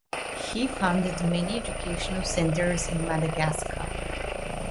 He founded many educational centers in Madagascar.